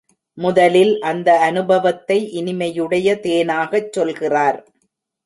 முதலில் அந்த அநுபவத்தை இனிமையுடைய தேனாகச் சொல்கிறார்.